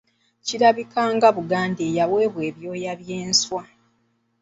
Kirabika nga Buganda eyaweebwa ebyoya by’enswa.